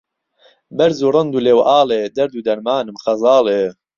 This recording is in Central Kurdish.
بەرز و ڕند و ڵێوئاڵێ دەرد و دەرمانم خەزاڵێ